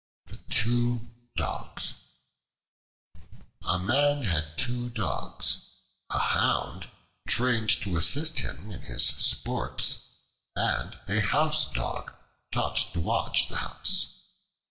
The Two Dogs A MAN had two dogs: a Hound, trained to assist him in his sports, and a Housedog, taught to watch the house.